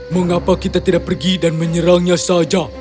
mengapa kita tidak pergi dan menyerangnya saja